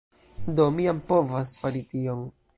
Do mi jam povas fari tion